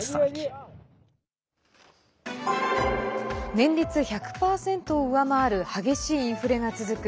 年率１００％を上回る激しいインフレが続く